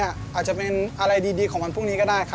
อาจจะเป็นอะไรดีของวันพรุ่งนี้ก็ได้